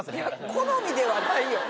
好みではないよね。